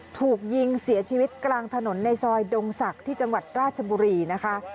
ถูกยิงเสียชีวิตกลางถนนในซอยดงศักดิ์ที่จังหวัดราชบุรีนะคะ